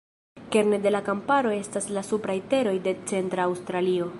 Kerne de la kamparo estas la supraj teroj de centra Aŭstralio.